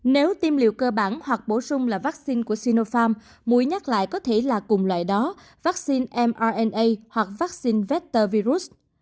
nếu tiêm liều cơ bản hoặc bổ sung là vaccine của sinopharm muối nhắc lại có thể là cùng loại đó vaccine mrna hoặc vaccine vector virus